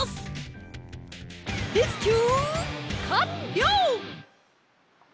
レスキューかんりょう！